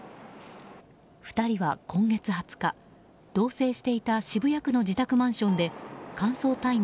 ２人は今月２０日、同棲していた渋谷区の自宅マンションで乾燥大麻